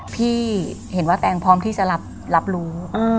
พี่เห็นว่าแตงพร้อมที่จะรับรู้